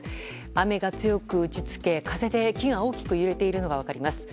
雨が強く打ち付け風で木が大きく揺れているのが分かります。